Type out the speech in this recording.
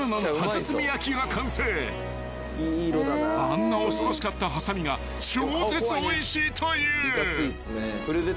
［あんな恐ろしかったはさみが超絶おいしいという］